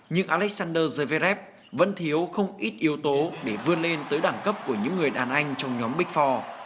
nhưng alexander gveb vẫn thiếu không ít yếu tố để vươn lên tới đẳng cấp của những người đàn anh trong nhóm big four